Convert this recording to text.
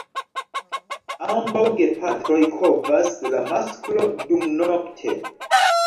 Ambaŭ gepatroj kovas, la masklo dumnokte.